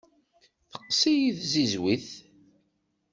Teqqes-iyi tzizwit.